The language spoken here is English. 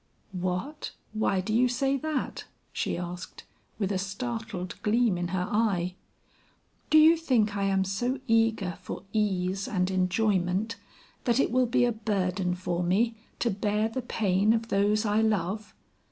"What, why do you say that?" she asked, with a startled gleam in her eye. "Do you think I am so eager for ease and enjoyment, that it will be a burden for me to bear the pain of those I love?